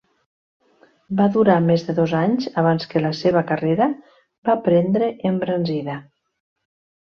Va durar més de dos anys abans que la seva carrera va prendre embranzida.